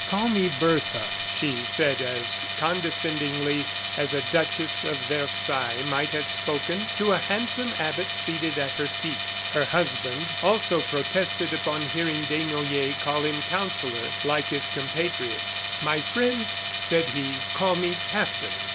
"Call me Bertha," she said as condescendingly as a duchess of Versailles might have spoken to a handsome abbot seated at her feet. Her husband, also protested upon hearing Desnoyers call him "Counsellor," like his compatriots. "My friends," he said, "call me 'Captain.